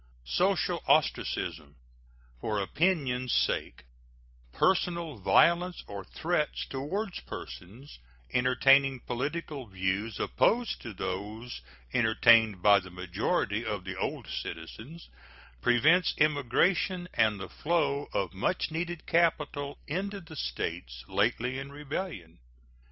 Social ostracism for opinion's sake, personal violence or threats toward persons entertaining political views opposed to those entertained by the majority of the old citizens, prevents immigration and the flow of much needed capital into the States lately in rebellion.